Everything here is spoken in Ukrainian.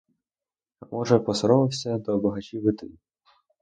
А може, посоромився до багачів іти.